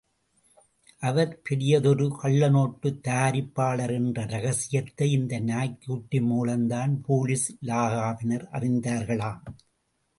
அவர் பெரியதொரு கள்ளநோட்டுத் தயாரிப்பாளர் என்ற ரகசியத்தை இந்த நாய்க்குட்டி மூலம்தான் போலீஸ் இலாகாவினர் அறிந்தார்களாம்.